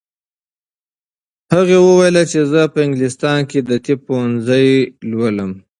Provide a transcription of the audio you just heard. هغې وویل چې زه په انګلستان کې د طب پوهنځی لولم.